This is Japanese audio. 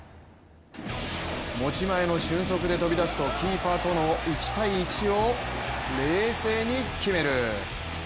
持ち前の俊足で飛び出すとキーパーとの１対１を冷静に決める。